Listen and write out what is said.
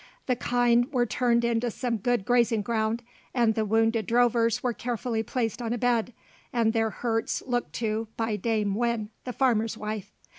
The kine were turned into some good grazing ground, and the wounded drovers were carefully placed on a bed, and their hurts looked to by Dame Winn, the farmer's wife.